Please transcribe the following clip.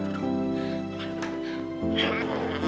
mama duduk dulu